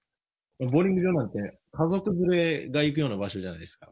ボウリング場なんて、家族連れが行くような場所じゃないですか。